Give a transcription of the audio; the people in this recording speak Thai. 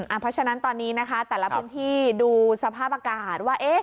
เพราะฉะนั้นตอนนี้นะคะแต่ละพื้นที่ดูสภาพอากาศว่า